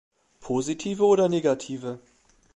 Positive oder negative?